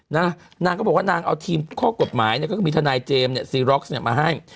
นางก็บอกว่านางเอาทีมข้อกฎหมายก็มีทนายเจมส์ซีร็อกซ์มาให้